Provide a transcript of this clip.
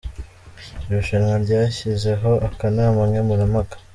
Irushanwa ryashyizeho akanama nkemurampaka